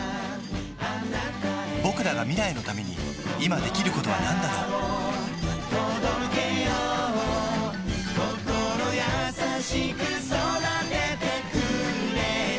ぼくらが未来のために今できることはなんだろう心優しく育ててくれた